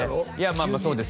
まあそうですよ